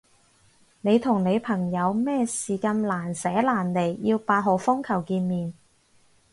你同你朋友咩事咁難捨難離要八號風球見面？